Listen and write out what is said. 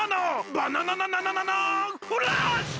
バナナナナナナナーンフラッシュ！